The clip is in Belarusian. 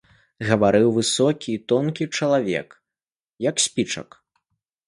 Гаварыў высокі і тонкі чалавек, як спічак.